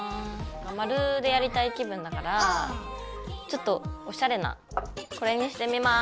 マルでやりたい気分だからちょっとおしゃれなこれにしてみます。